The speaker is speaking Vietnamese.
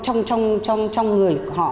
trong người họ